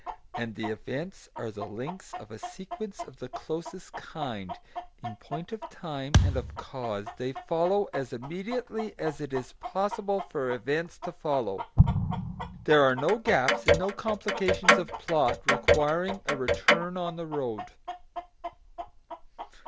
And the events are the links of a sequence of the closest kind; in point of time and of cause they follow as immediately as it is possible for events to follow. There are no gaps, and no complications of plot requiring a return on the road.